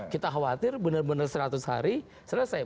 kita khawatir benar benar seratus hari selesai